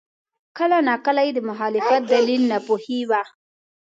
کله ناکله یې د مخالفت دلیل ناپوهي وه.